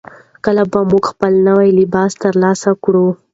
کله به موږ خپل نوی لباس ترلاسه کړو؟